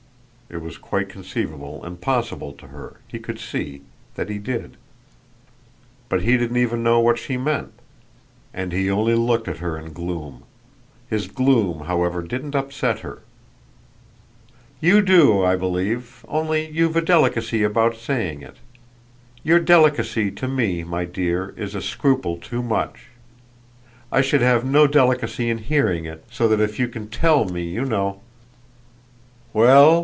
It was quite conceivable and possible to her, he could see, that he did. But he didn't even know what she meant, and he only looked at her in gloom. His gloom however didn't upset her. "You do, I believe, only you've a delicacy about saying it. Your delicacy to me, my dear, is a scruple too much. I should have no delicacy in hearing it, so that if you can TELL me you know " "Well?"